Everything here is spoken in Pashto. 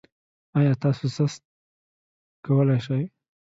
ایا تاسو سست کولی شئ؟